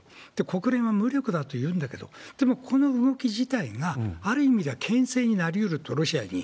国連は無力だというんだけれども、でも、この動き自体がある意味ではけん制になりうると、ロシアに。